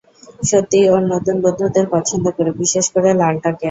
সত্যিই ওর নতুন বন্ধুদের পছন্দ করি, বিশেষ করে লালটাকে।